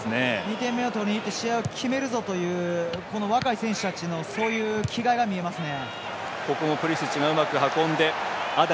２点目を取りにいって試合を決めるぞとこの若い選手たちの気概が見えますね。